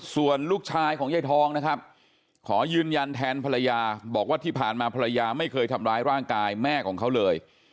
ส่วนลูกชายของยายทองนะครับขอยืนยันแทนภรรยาบอกว่าที่ผ่านมาภรรยาไม่เคยทำร้ายร่างกายแม่ของเขาเลย